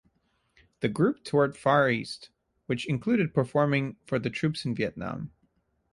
The group toured the Far East, which included performing for the troops in Vietnam.